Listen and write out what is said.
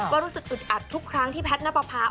ก็รู้สึกอึดอัดทุกครั้งที่แพทย์นับประพา